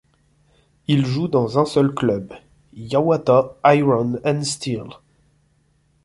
Il joue dans un seul club, Yawata Iron & Steel.